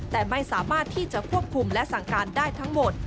แต่ไม่สามารถที่จะควบคุมและสั่งการได้ทั้งหมด